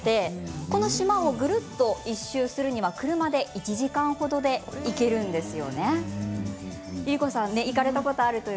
この島をぐるっと１周するには車で１時間程で行けるんですよね。